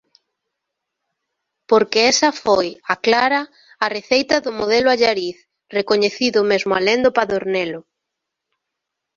Porque esa foi, aclara, a receita do Modelo Allariz, recoñecido mesmo alén do Padornelo.